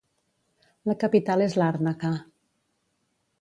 La capital és Làrnaca.